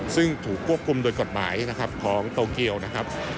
ซึ่งถูกควบคุมโดยกฎหมายนะครับของโตเกียวนะครับ